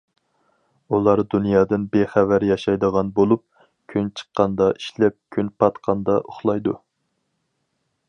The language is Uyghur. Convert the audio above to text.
ئۇلار دۇنيادىن بىخەۋەر ياشايدىغان بولۇپ، كۈن چىققاندا ئىشلەپ، كۈن پاتقاندا ئۇخلايدۇ.